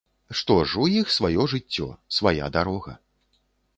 Што ж, у іх сваё жыццё, свая дарога.